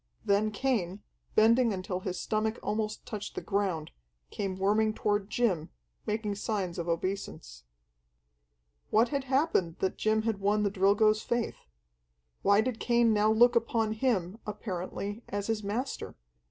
Then Cain, bending until his stomach almost touched the ground, came worming toward Jim, making signs of obeisance. What had happened that Jim had won the Drilgo's faith? Why did Cain now look upon him, apparently, as his master?